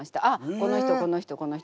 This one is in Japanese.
この人この人この人。